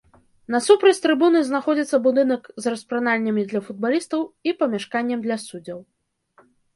Насупраць трыбуны знаходзіцца будынак з распранальнямі для футбалістаў і памяшканнем для суддзяў.